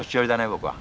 僕は。